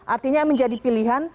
artinya menjadi pilihan